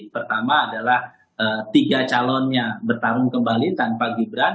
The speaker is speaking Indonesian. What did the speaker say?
pertama adalah tiga calonnya bertarung kembali tanpa gibran